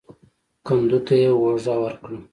کندو ته يې اوږه ورکړه.